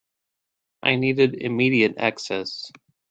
I needed immediate access.